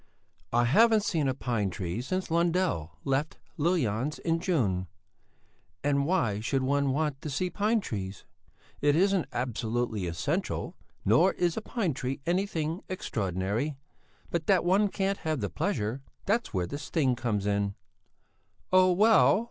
"I haven't seen a pine tree since Lundell left Lill Jans in June! And why should one want to see pine trees? It isn't absolutely essential; nor is a pine tree anything extraordinary! But that one can't have the pleasure, that's where the sting comes in." "Oh, well!